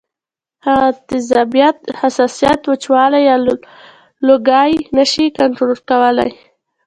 هغه تیزابیت ، حساسیت ، وچوالی یا لوګی نشي کنټرول کولی